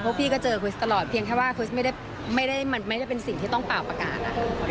พี่ก็เจอคริสตลอดเพียงแค่ว่าคริสไม่ได้เป็นสิ่งที่ต้องเป่าประกาศ